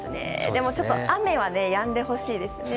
でもちょっと雨はやんでほしいですね。